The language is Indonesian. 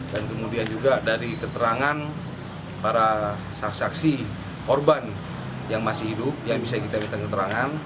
dan kemudian juga dari keterangan para saksi saksi korban yang masih hidup yang bisa kita minta keterangan